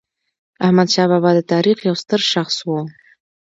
احمدشاه بابا د تاریخ یو ستر شخص و.